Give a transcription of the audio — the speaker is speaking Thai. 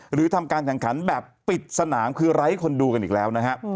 หรือทำการแข่งขันแบบปิดสนามคือไร้คนดูกันอีกแล้วนะฮะ